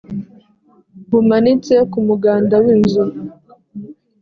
bumanitse kumuganda w'inzu.